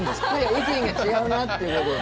意見が違うなってところで。